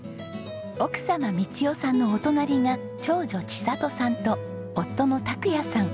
奥様三千代さんのお隣が長女千里さんと夫の卓也さん。